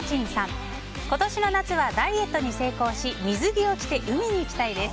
今年の夏はダイエットに成功し水着を着て海に行きたいです。